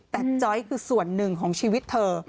แต่จ้อยคือส่วนหนึ่งของชีวิตเธอ